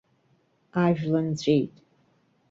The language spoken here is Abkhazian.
Ажәла нҵәеит.